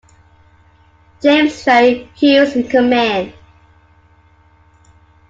James J. Hughes in command.